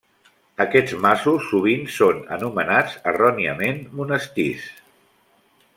Aquests masos sovint són anomenats erròniament monestirs.